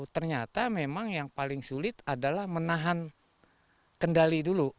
ternyata memang yang paling sulit adalah menahan kendali dulu